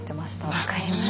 分かります。